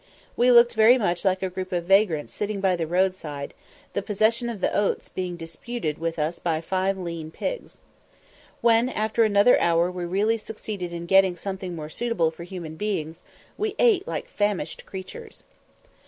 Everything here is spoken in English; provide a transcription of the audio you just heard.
We looked very much like a group of vagrants sitting by the road side, the possession of the oats being disputed with us by five lean pigs. When after another hour we really succeeded in getting something more suitable for human beings, we ate like famished creatures.